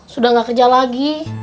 sudah gak kerja lagi